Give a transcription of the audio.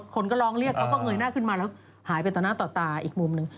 คนก็ร้องเรียกเขาก็เงยหน้าขึ้นมาแล้วหายไปต่อหน้าต่อตาอีกมุมหนึ่ง